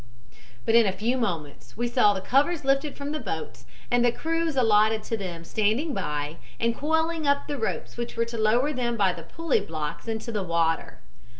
"But in a few moments we saw the covers lifted from the boats and the crews allotted to them standing by and coiling up the ropes which were to lower them by the pulley blocks into the water.